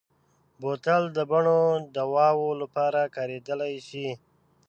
بوتل د بڼو دواوو لپاره کارېدلی شي.